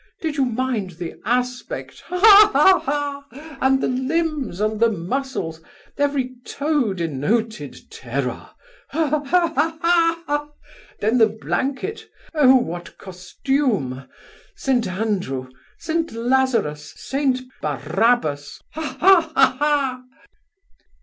did you mind the aspect? ha, ha, ha! and the limbs, and the muscles every toe denoted terror! ha, ha, ha! then the blanket! O, what costume! St Andrew! St Lazarus! St Barrabas! ha, ha, ha!